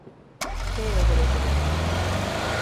Que é o dereito de autor?